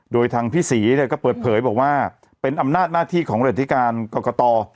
โดยพิษีเปิดเผ๋ยบอกว่าเป็นอำนาจหน้าที่ของรัฐการกรกต